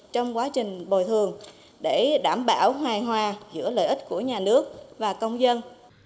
trong quá trình bồi thường để đảm bảo hoài hòa giữa lợi ích của nhà nước và công dân